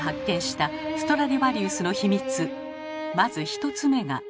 まず１つ目が。